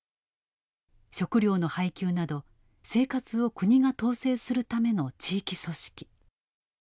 食料の配給など生活を国が統制するための地域組織。